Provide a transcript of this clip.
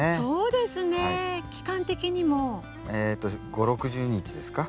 ５０６０日ですか。